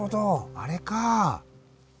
あれか。